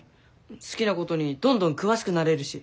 好きなことにどんどん詳しくなれるし。